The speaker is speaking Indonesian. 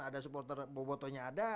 ada supporter boboto nya ada